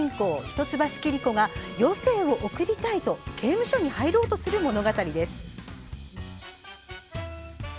一橋桐子が余生を送りたいと刑務所に入ろうとする物語です。